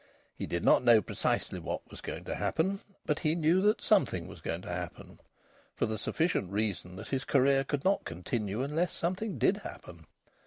He did not know precisely what was going to happen, but he knew that something was going to happen; for the sufficient reason that his career could not continue unless something did happen.